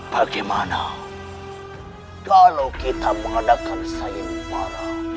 bagaimana kalau kita mengadakan sayang para